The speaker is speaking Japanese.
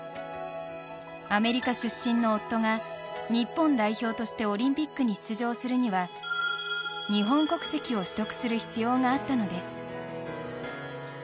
アメリカ出身の夫が日本代表としてオリンピックに出場するには日本国籍を取得する必要があったのです。